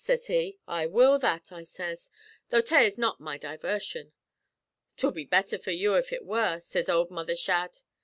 sez he. 'I will that,' I sez; 'tho' tay is not my diversion.' ''Twud be better for you if ut were,' sez ould Mother Shadd.